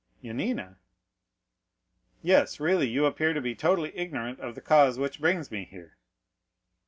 "Yanina?" "Yes; really you appear to be totally ignorant of the cause which brings me here."